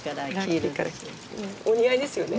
お似合いですよね。